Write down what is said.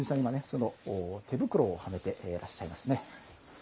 今ね手袋をはめていらっしゃいますね。